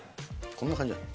こんな感じ。